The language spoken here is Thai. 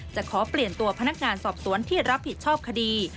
จะขอเปลี่ยนตัวพนักงานสอบสวนที่รับผิดชอบคดี